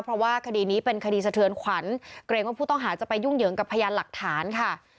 เพราะว่าคดีนี้เป็นคดีสะเทือนขวัญเกรงว่าผู้ต้องหาจะไปยุ่งเหยิงกับพยานหลักฐานค่ะ